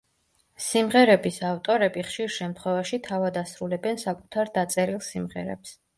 სიმღერების ავტორები ხშირ შემთხვევაში თავად ასრულებენ საკუთარ დაწერილ სიმღერებს.